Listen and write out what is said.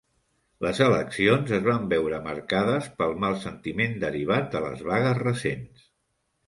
Les eleccions es van veure marcades pel mal sentiment derivat de les vagues recents.